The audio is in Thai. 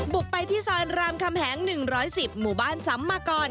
บุกไปที่ซอยรามคำแหง๑๑๐หมู่บ้านซ้ำมากร